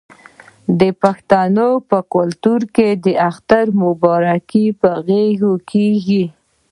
د پښتنو په کلتور کې د اختر مبارکي په غیږ کیږي.